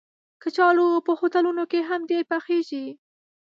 کچالو په هوټلونو کې هم ډېر پخېږي